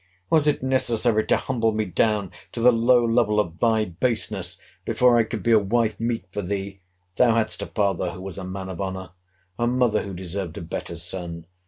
Was it necessary to humble me down to the low level of thy baseness, before I could be a wife meet for thee? Thou hadst a father, who was a man of honour: a mother, who deserved a better son.